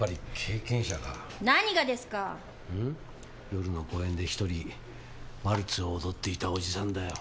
夜の公園で１人ワルツを踊っていたおじさんだよ。